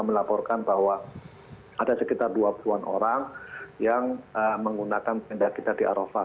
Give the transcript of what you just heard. melaporkan bahwa ada sekitar dua puluh an orang yang menggunakan tenda kita di arafah